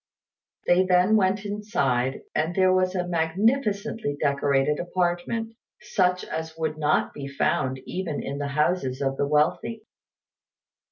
They then went inside, and there was a magnificently decorated apartment, such as would not be found even in the houses of the wealthy.